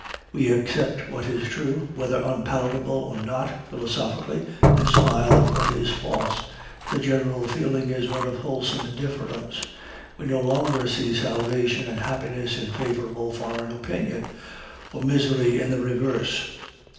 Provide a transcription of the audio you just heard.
We accept what is true, whether unpalatable or not, philosophically, and smile at what is false. The general feeling is one of wholesome indifference. We no longer see salvation and happiness in favorable foreign opinion, or misery in the reverse.